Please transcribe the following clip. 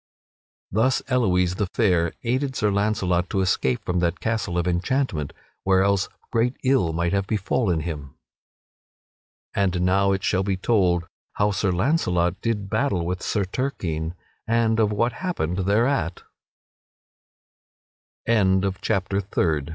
Thus Elouise the Fair aided Sir Launcelot to escape from that castle of enchantment, where else great ill might have befallen him. And now it shall be told how Sir Launcelot did battle with Sir Turquine and of what ha